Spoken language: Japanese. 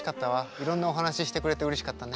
いろんなお話してくれてうれしかったね。